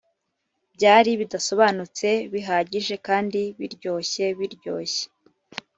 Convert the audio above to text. byari bidasobanutse bihagije kandi biryoshye biryoshye,